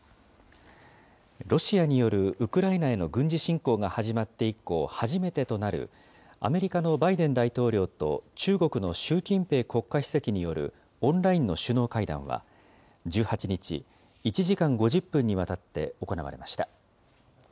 ロシアによるウクライナへの軍事侵攻が始まって以降、初めてとなるアメリカのバイデン大統領と、中国の習近平国家主席によるオンラインの首脳会談は、１８日、１時間５０分にわたって行われました。